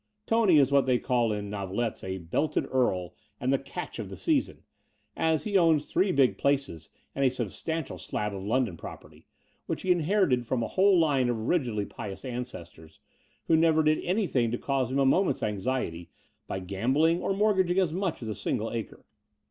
Tony is what they call in novelettes a belted earl" and "the catch of the season," as he owns three big places and a substantial slab of London property, which he inherited from a whole line of rigidly pious ancestors, who never did anything to cause him a moment's anxiety by gambling or mortgaging as much as a single acre.